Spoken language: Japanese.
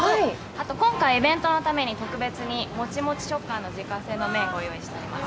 今回イベントのために特別にモチモチ食感の自家製の麺を使用しています。